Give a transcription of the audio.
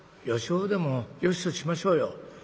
よしほうでもよしとしましょうよ。